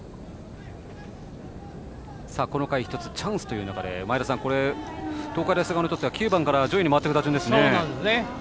この回、１つチャンスという中で前田さん、東海大菅生にとっては９番から上位に回ってくる打線ですね。